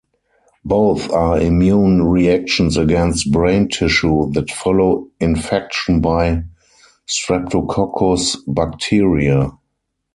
Both are immune reactions against brain tissue that follow infection by "Streptococcus" bacteria.